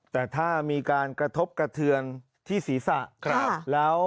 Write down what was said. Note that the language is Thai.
แต่ถ้ามีการกระทบกระเทือนที่ศีรษะแล้ว